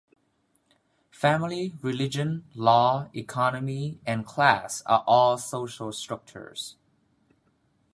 Family, religion, law, economy, and class are all social structures.